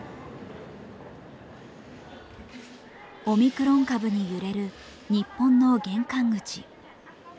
オミクロン株に揺れる日本の玄関口。